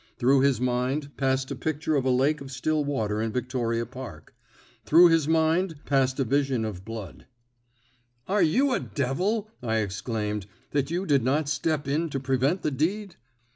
Through his mind passed a picture of a lake of still water in Victoria Park. Through his mind passed a vision of blood." "Are you a devil," I exclaimed, "that you did not step in to prevent the deed?"